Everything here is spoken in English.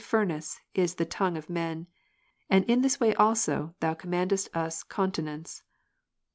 27 furnace is the tongue of men. And in this way also Thou ^^ commandest us continence.